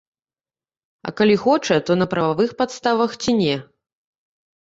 А калі хоча, то на прававых падставах ці не.